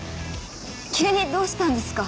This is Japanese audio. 急にどうしたんですか？